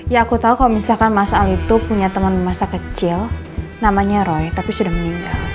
ya aku tahu kalau misalkan mas ali itu punya teman masa kecil namanya roy tapi sudah meninggal